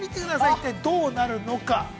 一体どうなるのか。